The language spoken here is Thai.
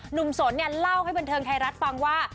สนเนี่ยเล่าให้บันเทิงไทยรัฐฟังว่า